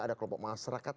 ada kelompok masyarakat